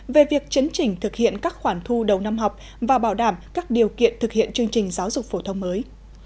về việc chấn chỉnh thực hiện các khoản thu đầu năm học và bảo đảm các điều kiện thực hiện chương trình giáo dục phổ thông mới